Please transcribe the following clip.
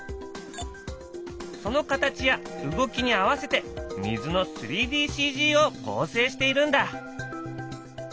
その形や動きに合わせて水の３ＤＣＧを合成しているんだ！